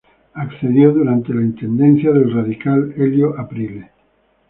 Accedió durante la intendencia del radical Elio Aprile.